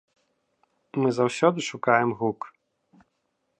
Мы заўсёды шукаем гук.